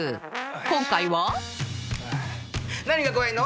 今回は「何が怖いの？」。